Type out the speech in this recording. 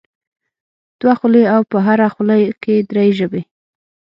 دوه خولې او په هره خوله کې درې ژبې.